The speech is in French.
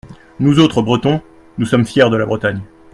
Nous autres Bretons, nous sommes fiers de la Bretagne.